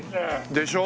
でしょ？